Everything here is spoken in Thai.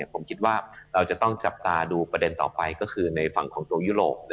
ผมคิดว่าเราจะต้องจับตาดูประเด็นต่อไปก็คือในฝั่งของตัวยุโรป